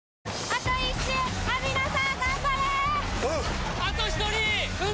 あと１人！